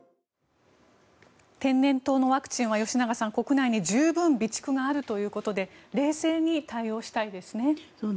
天然痘のワクチンは吉永さん、国内に十分備蓄があるということで冷静に対応したいですね。